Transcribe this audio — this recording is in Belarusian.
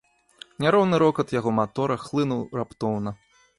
Няроўны рокат яго матора хлынуў раптоўна.